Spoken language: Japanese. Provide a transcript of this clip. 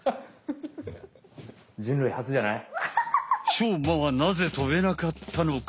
しょうまはなぜ飛べなかったのか。